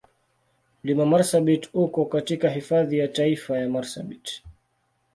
Mlima Marsabit uko katika Hifadhi ya Taifa ya Marsabit.